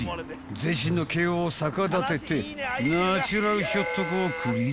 ［全身の毛を逆立ててナチュラルひょっとこを繰り出すだけかよ］